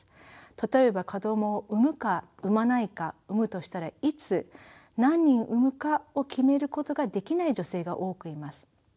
例えば子供を産むか産まないか産むとしたらいつ何人産むかを決めることができない女性が多くいます。